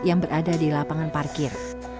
yang berada di lapangan parkir